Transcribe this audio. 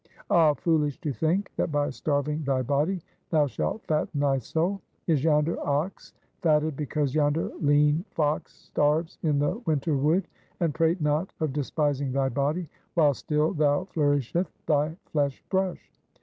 Ah, foolish! to think that by starving thy body, thou shalt fatten thy soul! Is yonder ox fatted because yonder lean fox starves in the winter wood? And prate not of despising thy body, while still thou flourisheth thy flesh brush!